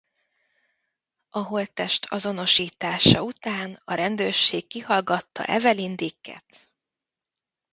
A holttest azonosítása után a rendőrség kihallgatta Evelyn Dicket.